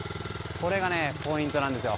これがポイントなんですよ。